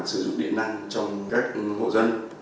sử dụng điện năng trong các hộ dân